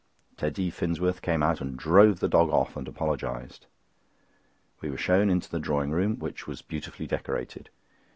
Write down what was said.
Teddy Finsworth came out and drove the dog off and apologised. We were shown into the drawing room, which was beautifully decorated.